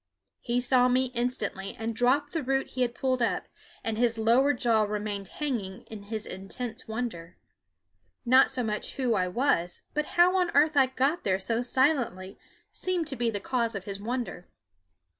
He saw me instantly and dropped the root he had pulled up, and his lower jaw remained hanging in his intense wonder. Not so much who I was, but how on earth I got there so silently seemed to be the cause of his wonder.